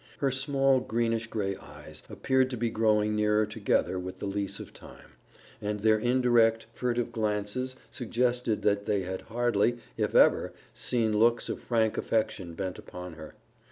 Her small greenish gray eyes appeared to be growing nearer together with the lease of time, and their indirect, furtive glances suggested that they had hardly, if ever, seen looks of frank affection bent upon her.